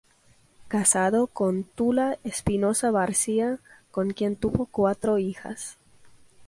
Casado con Tula Espinoza Barcia con quien tuvo cuatro hijas.